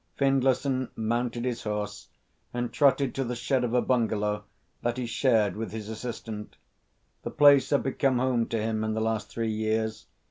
Findlayson mounted his horse and trotted to the shed of a bungalow that he shared with his assistant. The place had become home to him in the last three years.